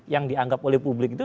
yang dianggap oleh publik itu